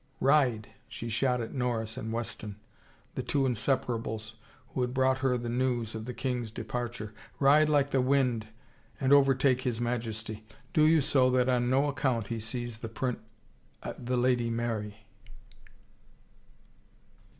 " Ride !" she shot at Norris and Weston, the two in separables who had brought her the news of the king's departure. " Ride like the wind and overtake his Majesty. Do you so that on no account he sees the prin — the Lady Mary."